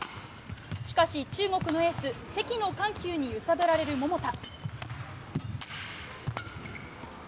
しかし中国のエースセキの緩急に揺さぶられる桃田。